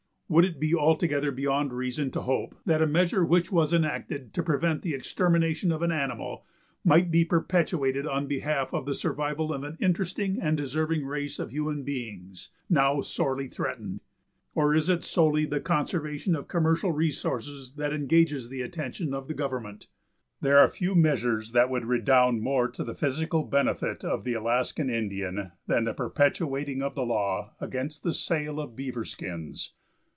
Would it be altogether beyond reason to hope that a measure which was enacted to prevent the extermination of an animal might be perpetuated on behalf of the survival of an interesting and deserving race of human beings now sorely threatened? Or is it solely the conservation of commercial resources that engages the attention of government? There are few measures that would redound more to the physical benefit of the Alaskan Indian than the perpetuating of the law against the sale of beaver skins.